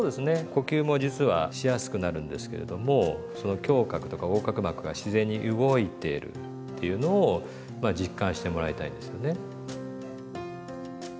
呼吸も実はしやすくなるんですけれどもその胸郭とか横隔膜が自然に動いてるっていうのをまあ実感してもらいたいんですよね。